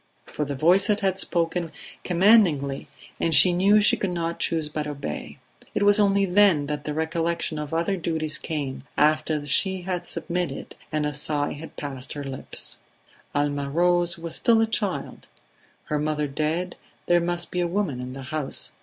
For the voices had spoken commandingly and she knew she could not choose but obey. It was only then that the recollection of other duties came, after she had submitted, and a sigh had passed her lips. Alma Rose was still a child; her mother dead, there must be a woman in the house.